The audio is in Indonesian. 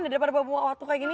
daripada bawa waktu kayak gini